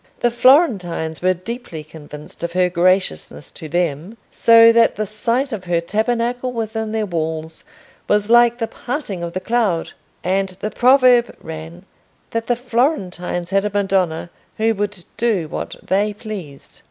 The Florentines were deeply convinced of her graciousness to them, so that the sight of her tabernacle within their walls was like the parting of the cloud, and the proverb ran, that the Florentines had a Madonna who would do what they pleased.